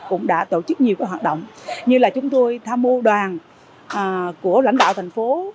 cũng đã tổ chức nhiều hoạt động như là chúng tôi tham mưu đoàn của lãnh đạo thành phố